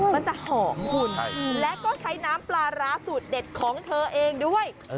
มันจะหอมคุณและก็ใช้น้ำปลาร้าสูตรเด็ดของเธอเองด้วย